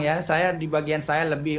ya saya di bagian saya lebih